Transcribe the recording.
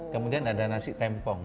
kemudian ada nasi tempong